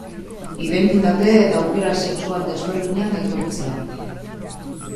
Identitate eta aukera sexual desberdinak aitortzea.